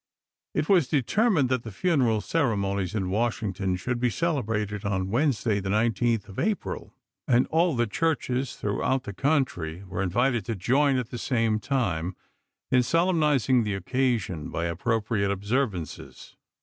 It was determined that the funeral ceremonies in Washington should be celebrated on Wednesday, the 19th of April, and all the churches throughout the country were invited to join at the same time "in solemnizing the occasion" by appropriate observances.